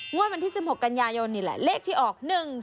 งวดวันที่๑๖กัญญายนนี่แหละเลขที่ออก๑๔๙๗๖๐